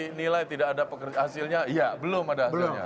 dinilai tidak ada hasilnya iya belum ada hasilnya